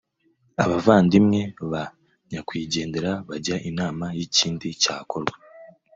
abavandimwe ba nyakwigendera bajya inama y'ikindi cyakorwa